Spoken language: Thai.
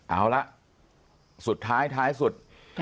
เอาละสุดท้ายท้ายสุด